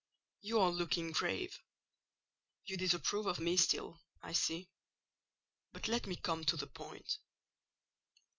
You are looking grave. You disapprove of me still, I see. But let me come to the point.